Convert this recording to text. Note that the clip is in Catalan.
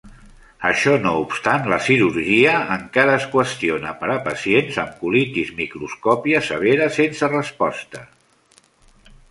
Això no obstant, la cirurgia encara es qüestiona per a pacients amb colitis microscòpia severa sense resposta.